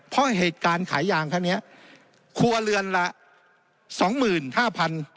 เพราะเหตุการณ์ขายยางครั้งนี้ครัวเรือนละสองหมื่นห้าพัน